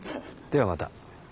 ではまた。